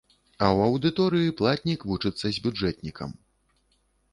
А ў аўдыторыі платнік вучыцца з бюджэтнікам.